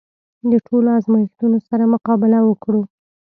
د ټولو ازمېښتونو سره مقابله وکړو.